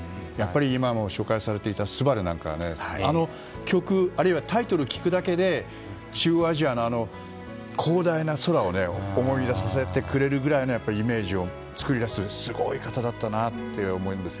今も紹介されていた「昴」なんかは、あの曲あるいはタイトル聞くだけで中央アジアの広大な空を思い出させてくれるぐらいのイメージを作り出せるすごい方だったなと思います。